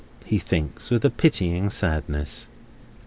he thinks, with a pitying sadness.